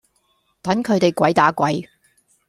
等佢地鬼打鬼